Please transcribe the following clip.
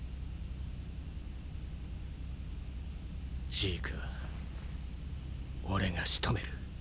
ジークは俺が仕留める。